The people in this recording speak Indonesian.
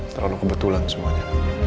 terlalu kebetulan semuanya